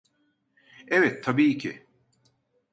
Evet, tabiî ki.